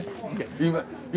今。